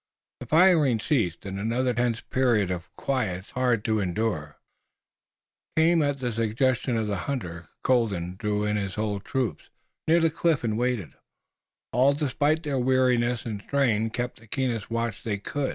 The firing ceased and another tense period of quiet, hard, to endure, came. At the suggestion of the hunter Colden drew in his whole troop near the cliff and waited, all, despite their weariness and strain, keeping the keenest watch they could.